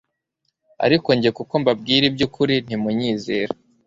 Ariko jye kuko mbabwira iby'ukuri ntimunyizera.»